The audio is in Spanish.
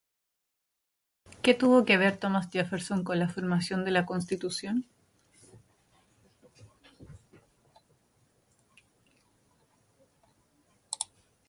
¿Qué tuvo que ver Thomas Jefferson con la formación de la Constitución?